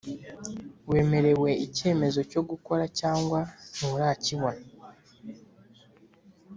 Wemerewe icyemezo cyo gukora cyangwa nturakibona‽